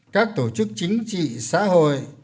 các tổ chức chính trị xã hội